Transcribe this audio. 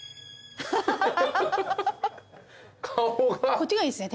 こっちがいいですね